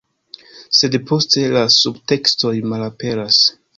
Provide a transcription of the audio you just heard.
Sed poste, la subtekstoj malaperas.